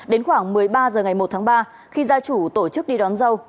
đến khoảng một mươi ba h ngày một tháng ba khi gia chủ tổ chức đi đón dâu